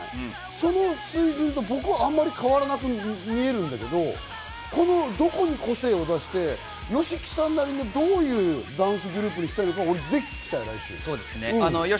その水準と僕はあまり変わらなく見えるんだけど、どこに個性を出して、ＹＯＳＨＩＫＩさんなりのどういうダンスグループにしたいのかをぜひ聞きたい、来週。